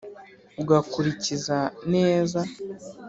ugakulikiza neza